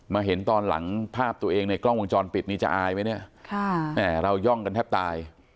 เห็นตอนหลังภาพตัวเองในกล้องวงจรปิดนี้จะอายไหมเนี่ยเราย่องกันแทบตาย